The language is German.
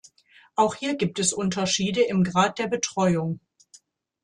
Auch hier gibt es Unterschiede im Grad der Betreuung.